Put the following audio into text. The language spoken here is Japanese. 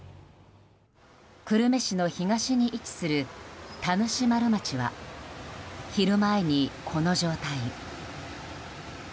久留米市の東に位置する田主丸町は昼前に、この状態に。